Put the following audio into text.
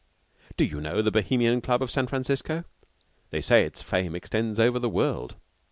Do you know the Bohemian Club of San Francisco? They say its fame extends over the world.